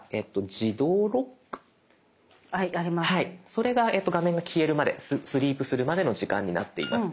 それが画面が消えるまでスリープするまでの時間になっています。